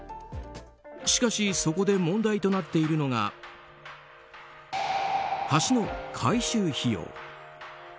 しかしそこで問題となっているのが橋の改修費用。